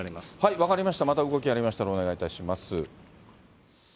分かりました、また動きありましたら、お願いいたします。